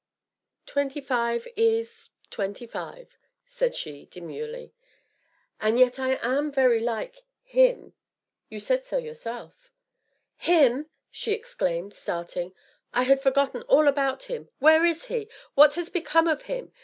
"Twenty five is twenty five!" said she demurely. "And yet, I am very like him you said so yourself!" "Him!" she exclaimed, starting. "I had forgotten all about him. Where is he what has become of him?"